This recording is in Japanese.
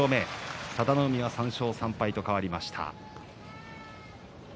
佐田の海は３勝３敗と変わりました。